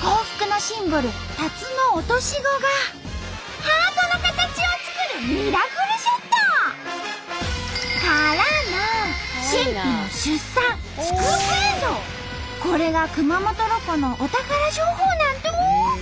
幸福のシンボル「タツノオトシゴ」がハートの形を作るミラクルショット！からのこれが熊本ロコのお宝情報なんと！